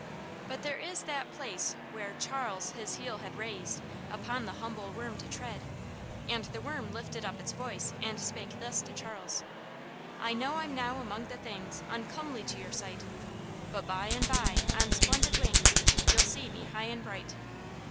But there is that place where "Charles his heel had raised, upon the humble worm to tread," and the worm lifted up its voice and spake thus to Charles: "I know I'm now among the things Uncomely to your sight, But, by and by, on splendid wings, You'll see me high and bright."